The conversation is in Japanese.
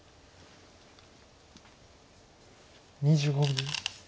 ２５秒。